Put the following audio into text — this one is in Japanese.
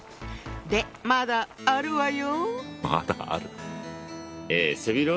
でまだあるわよ。